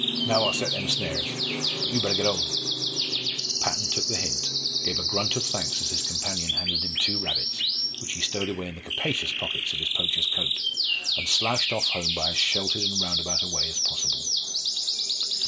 "Now I'll set them snares. But you'd better git home." Patton took the hint, gave a grunt of thanks as his companion handed him two rabbits, which he stowed away in the capacious pockets of his poacher's coat, and slouched off home by as sheltered and roundabout a way as possible.